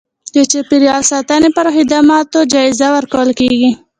د چاپیریال ساتنې پر خدماتو جایزه ورکول کېږي.